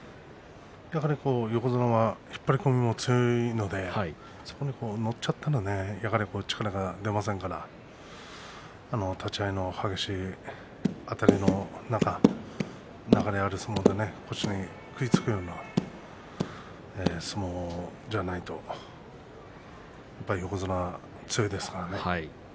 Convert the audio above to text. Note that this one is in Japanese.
横綱は引っ張り込みも強いのでそこに乗っちゃったら力が出ませんから立ち合いの激しいあたりの中流れのある相撲で腰に食いつくような相撲じゃないとやっぱり横綱は強いですからね。